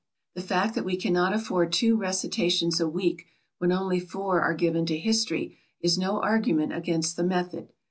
The fact that we cannot afford two recitations a week when only four are given to history is no argument against the method.